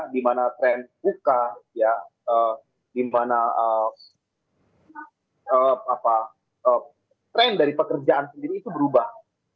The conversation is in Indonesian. dimana tren uk dimana tren dari pekerjaan sendiri itu berubah